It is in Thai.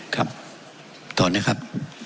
ครับถอนนะครับ